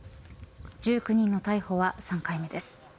１９人の逮捕は３回目です。